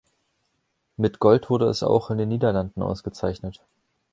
Mit Gold wurde es auch in den Niederlanden ausgezeichnet.